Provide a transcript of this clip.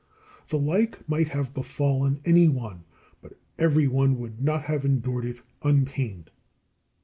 The like might have befallen any one; but every one would not have endured it unpained.